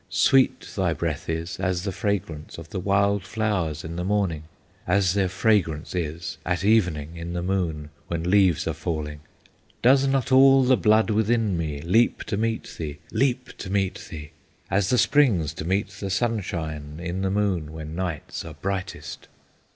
"Sweet thy breath is as the fragrance Of the wild flowers in the morning, As their fragrance is at evening, In the Moon when leaves are falling. "Does not all the blood within me Leap to meet thee, leap to meet thee, As the springs to meet the sunshine, In the Moon when nights are brightest?